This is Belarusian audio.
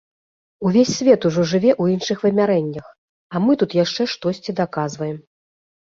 Увесь свет ужо жыве ў іншых вымярэннях, а мы тут яшчэ штосьці даказваем.